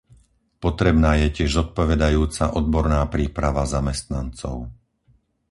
Potrebná je tiež zodpovedajúca odborná príprava zamestnancov.